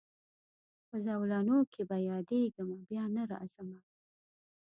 په زولنو کي به یادېږمه بیا نه راځمه